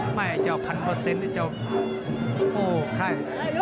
ไม่เอา๑๐๐๐เอาจะเอาโอ้วใช่